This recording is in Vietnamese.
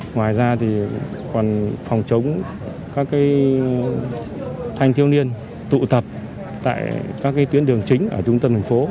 ngoài ra thì còn phòng chống các thanh thiếu niên tụ tập tại các tuyến đường chính ở trung tâm thành phố